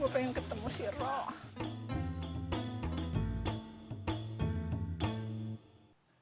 gue pengen ketemu sirop